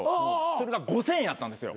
それが５，０００円やったんですよ。